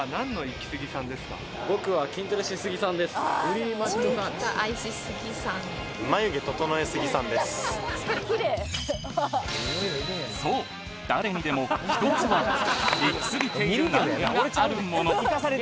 僕はそう誰にでも一つはイキスギている何かがあるもの